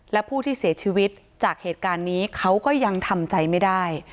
และผู้ที่เสียชีวิตจากเหตุการณ์นี้เขาก็ยังทำใจไม่ได้